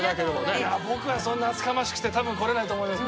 いや僕はそんな厚かましくて多分来れないと思います。